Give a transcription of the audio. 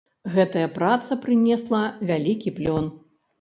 Гэтая праца прынесла вялікі плён.